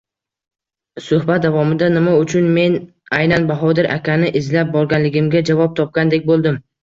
Suhbat davomida nima uchun men aynan Bahodir akani izlab borganligimga javob topgandek bo‘ldim.